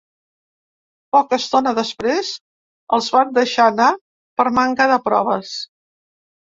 Poca estona després, els van deixar anar per manca de proves.